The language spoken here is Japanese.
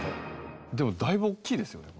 でもだいぶ大きいですよね。